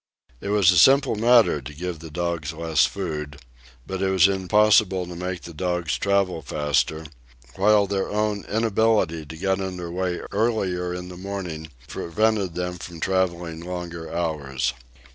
It was a simple matter to give the dogs less food; but it was impossible to make the dogs travel faster, while their own inability to get under way earlier in the morning prevented them from travelling longer hours.